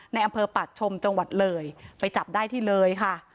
ในอำเภอปากชมจังหวัดเลยไปจับได้ที่เลยค่ะ